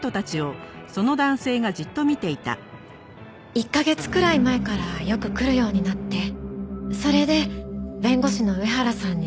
１カ月くらい前からよく来るようになってそれで弁護士の上原さんに。